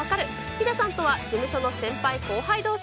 ヒデさんとは事務所の先輩後輩どうし。